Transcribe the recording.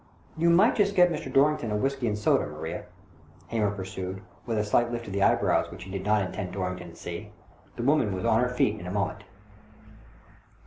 " You might just get Mr. Dorrington a whisky and soda, Maria," Hamer pursued, with a slight lift of the eyebrows which he did not intend Dorrington to see. The woman was on her feet in a moment.